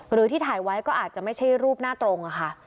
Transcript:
หรือที่ถ่ายไว้ก็อาจจะไม่ใช่รูปหน้าตรงค่ะ